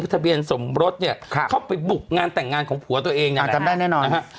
ทะเบียนสมรสเนี่ยเข้าไปบุกงานแต่งงานของผัวตัวเองเนี่ยจำได้แน่นอนนะฮะ